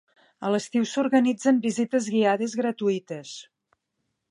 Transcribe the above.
A l'estiu s'organitzen visites guiades gratuïtes.